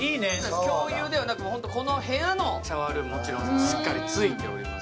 共有ではなく、この部屋のシャワールームもしっかりついております。